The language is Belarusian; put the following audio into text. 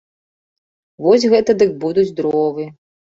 Вось гэта дык будуць дровы!